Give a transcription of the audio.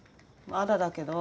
まだだけど。